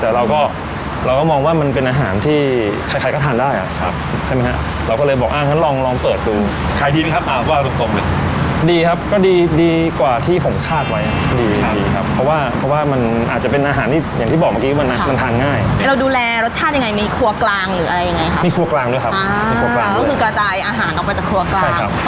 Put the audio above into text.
แต่เราก็เราก็มองว่ามันเป็นอาหารที่ใครใครก็ทานได้อ่ะครับใช่ไหมฮะเราก็เลยบอกอ้าวงั้นลองลองเปิดดูขายดีนะครับอ่าว่าตรงตรงหรือดีครับก็ดีดีกว่าที่ผมคาดไว้อ่ะดีดีครับเพราะว่าเพราะว่ามันอาจจะเป็นอาหารที่อย่างที่บอกเมื่อกี้ว่ามันทานง่ายเราดูแลรสชาติยังไงมีครัวกลางหรืออะไรยังไงครับมีครั